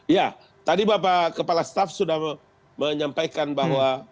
ya tadi bapak kepala staff sudah menyampaikan bahwa